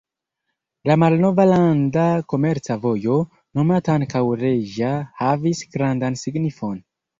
La malnova landa komerca vojo, nomata ankaŭ "reĝa", havis grandan signifon.